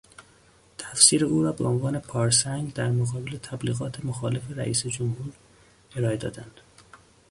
تفسیر او را به عنوان پارسنگ در مقابل تبلیغات مخالف رئیس جمهور ارائه دادند.